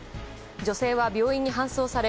女性は病院に搬送され